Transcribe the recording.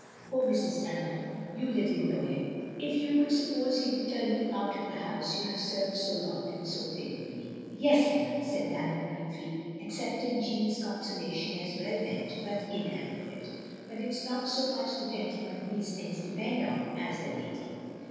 " "Oh Mrs. Dunham, you little know him, if OF GROSVENOR SQUARE 255 you could suppose he would turn you out of the house you have served so long and so faithftilly. " "Yes'm," said Dunham briefly, accepting Jeanne's consolation as well meant, but inade qtiate. " But it 's not so much the gentleman these things depend on, as the lady.